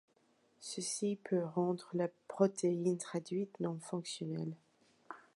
Ceci peut rendre la protéine traduite non fonctionnelle.